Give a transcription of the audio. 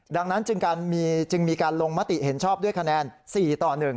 ดังนั้นจึงมีการลงมติเห็นชอบด้วยคะแนน๔ต่อ๑